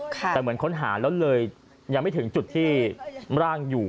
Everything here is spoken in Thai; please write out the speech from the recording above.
แต่เหมือนค้นหาแล้วเลยยังไม่ถึงจุดที่ร่างอยู่